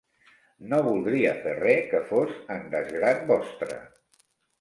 No voldria fer res que fos en desgrat vostre.